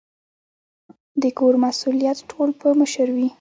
د کور مسؤلیت ټول په مشر وي